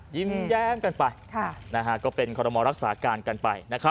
ยิ้มแย้มกันไปก็เป็นคอรมอรักษาการกันไป